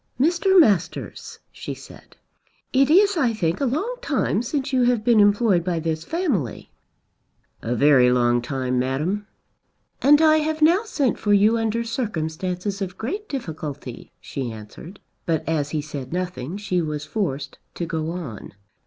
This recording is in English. "Mr. Masters," she said, "it is I think a long time since you have been employed by this family." "A very long time, Madam." "And I have now sent for you under circumstances of great difficulty," she answered; but as he said nothing she was forced to go on.